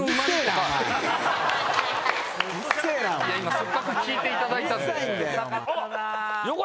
せっかく聞いていただいたんで。